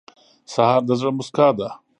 سهار د زړه موسکا ده.